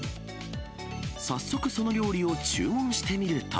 早速、その料理を注文してみると。